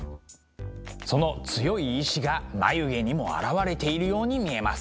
その強い意志が眉毛にも表れているように見えます。